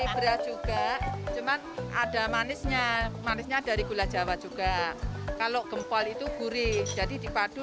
beras juga cuman ada manisnya manisnya dari gula jawa juga kalau gempol itu gurih jadi dipadu